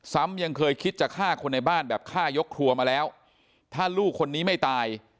ซ้ำยังเคยคิดจะฆ่าคนในบ้านแบบฆ่ายกครัวมาแล้วถ้าลูกคนนี้ไม่ตาย